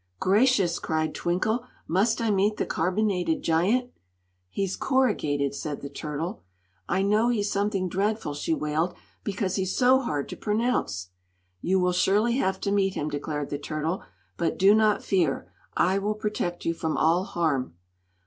"Gracious!" cried Twinkle; "must I meet the Carbonated Giant?" "He's corrugated," said the turtle. "I know he's something dreadful," she wailed, "because he's so hard to pronounce." "You will surely have to meet him," declared the turtle; "but do not fear, I will protect you from all harm."